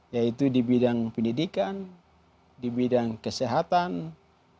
yaitu di bidang pendidikan di bidang kesehatan di bidang ekonomi